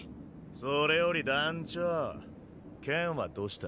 それより団ちょ剣はどした？